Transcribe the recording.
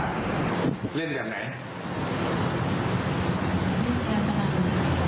จริงตั้งแต่พอ